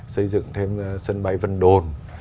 xây dựng thêm sân bay vân đồn